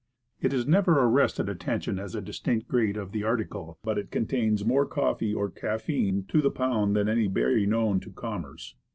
It has never arrested at tention as a distinct grade of the article, but it contains more coffee or caffein to the pound than any berry known to commerce.